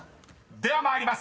［では参ります。